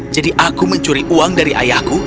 jadi aku mencuri uang dari ayahku